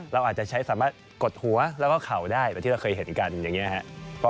เราอาจจะใช้สามารถกดหัวแล้วก็เข่าได้แบบที่เราเคยเห็นกันอย่างนี้ครับ